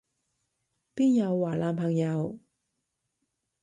邊有話男朋友？